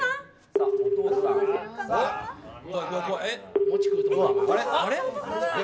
あれ？